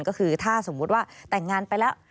ก็คือถ้าสมมุติว่าแต่งงานไปแล้ว